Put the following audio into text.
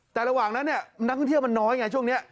แต่ระหว่างนั้นเนี่ยนักท่องเที่ยวมันน้อยไงช่วงนี้